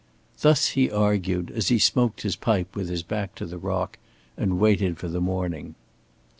Thus he argued, as he smoked his pipe with his back to the rock and waited for the morning.